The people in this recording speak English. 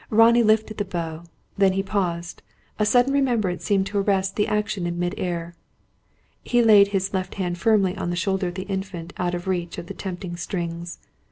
Ronnie lifted the bow; then he paused. A sudden remembrance seemed to arrest the action in mid air. He laid his left hand firmly on the shoulder of the Infant, out of reach of the tempting strings.